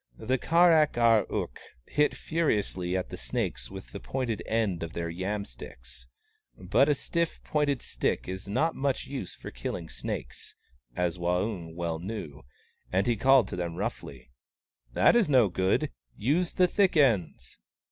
The Kar ak ar ook hit furiously at the snakes with the pointed end of their yam sticks. But a stiff, pointed stick is not much use for killing snakes, as Waung well knew, and he called to them roughly :" That is no good — use the thick ends